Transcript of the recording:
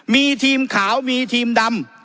มีทีมขาวมีทีมดำ